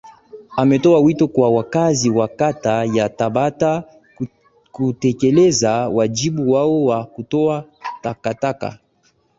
ametoa wito kwa wakazi wa kata ya tabata kutekeleza wajibu wao wa kutoa takataka